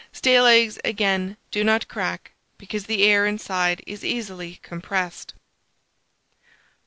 Stale eggs, again, do not crack, because the air inside is easily compressed.